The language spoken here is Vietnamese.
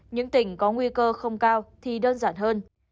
những tỉnh có nguy cơ không cao thì đơn giản hơn